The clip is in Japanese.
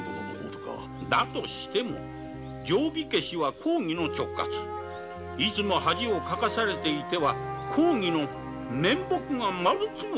だが定火消しは公儀の直轄いつも恥をかかされていては公儀の面目が丸つぶれじゃ。